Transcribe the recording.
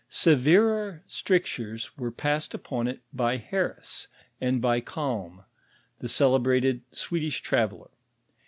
Severer strictures were passed upon it by Harris, and by Kalm, the celebrated Swedish traveller.